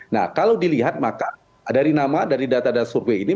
nah kalau dilihat maka dari nama dari data data survei ini